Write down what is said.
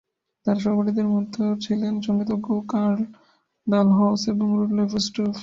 তাঁর সহপাঠীদের মধ্যে ছিলেন সঙ্গীতজ্ঞ কার্ল ডালহৌস এবং রুডলফ স্টেফান।